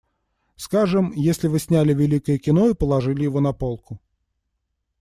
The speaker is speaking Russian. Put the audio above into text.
Скажем, если вы сняли великое кино и положили его на полку.